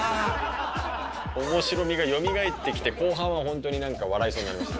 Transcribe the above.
おもしろみがよみがえってきて、後半は本当になんか、笑いそうになりました。